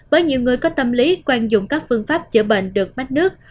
với nhiều người có tâm lý quen dùng các phương pháp chữa bệnh được mách nước